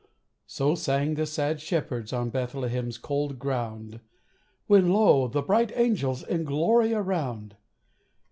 So sang the sad shepherds On Bethlehem's cold ground When lo, the bright angels In glory around!